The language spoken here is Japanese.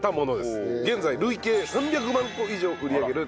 現在累計３００万個以上売り上げる